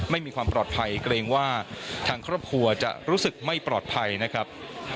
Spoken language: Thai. ไม่มีความปลอดภัยเกรงว่าทางครอบครัวจะรู้สึกไม่ปลอดภัยนะครับ